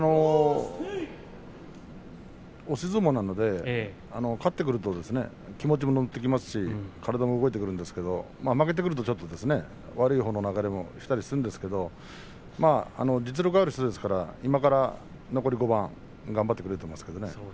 押し相撲なので勝ってくると気持ちも乗ってきますし体も動いてくるんですが負けてくるとちょっと悪いほうの流れもきたりするんですけれど実力がある人ですから今から残り５番頑張ってくれると思います。